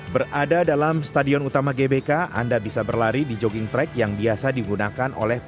berada dalam stadion utama gbk anda bisa berlari di jogging track yang biasa digunakan oleh